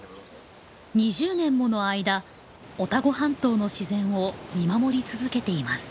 ２０年もの間オタゴ半島の自然を見守り続けています。